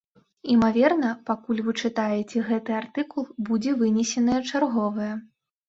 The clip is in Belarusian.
Імаверна, пакуль вы чытаеце гэты артыкул, будзе вынесенае чарговае.